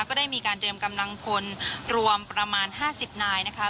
ก็ได้มีการเตรียมกำลังพลรวมประมาณ๕๐นายนะคะ